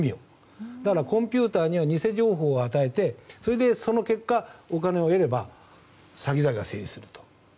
だから、コンピューターには偽情報を与えてその結果、お金を得れば詐欺罪が成立すると。